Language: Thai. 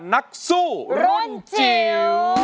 นักสู้รุ่นจิ๋ว